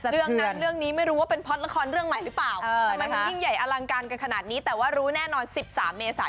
เรื่องนั้นเรื่องนี้ไม่รู้ว่าเป็นพล็อตหลักภัณฑ์เรื่องใหม่หรือเปล่า